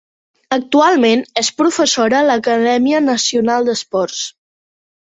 Actualment és professora a l'acadèmia nacional d'esports.